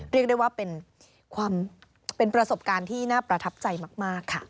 เรียกได้ว่าเป็นประสบการณ์ที่น่าประทับใจมากค่ะ